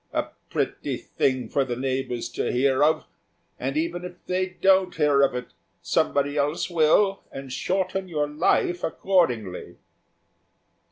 A pretty thing for the neighbours to hear of! and even if they don't hear of it, somebody else will, and shorten your life accordingly."